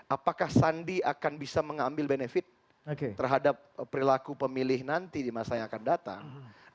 apakah sandi akan bisa mengambil benefit terhadap perilaku pemilih nanti di masa yang akan datang